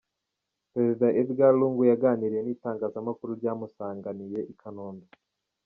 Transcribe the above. Perezida Edgar Lungu yaganiriye n'itangazamakuru ryamusanganiye i Kanombe.